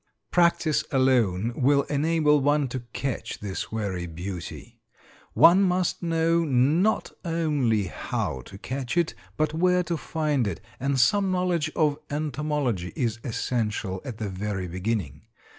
Practice alone will enable one to catch this wary beauty. One must know not only how to catch it but where to find it, and some knowledge of entomology is essential at the very beginning.